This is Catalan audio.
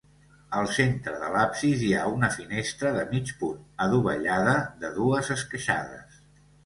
Al centre de l'absis hi ha una finestra de mig punt, adovellada, de dues esqueixades.